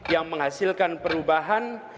yang menghasilkan perubahan